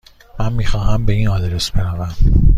من میخواهم به این آدرس بروم.